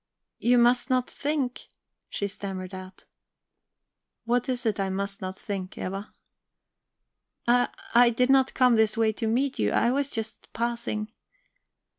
"You must not think..." she stammered out. "What is it I must not think, Eva?" "I I did not come this way to meet you; I was just passing..."